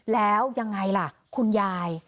แล้วยังไงล่ะคุณยาย